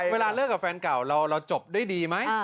เวลาเลิกกับแฟนเก่าเราจบด้วยดีไหม